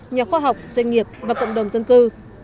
nhà khoa học doanh nghiệp và cộng đồng dân cư